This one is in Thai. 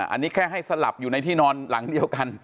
อันนี้แค่ให้สลับอยู่ในที่นอนหลังเดียวกัน